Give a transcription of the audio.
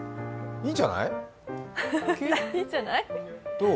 いいんじゃない？どう？